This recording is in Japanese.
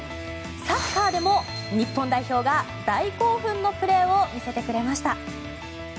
サッカーでも日本代表が大興奮のプレーを見せてくれました。